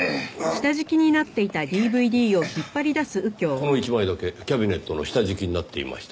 この１枚だけキャビネットの下敷きになっていました。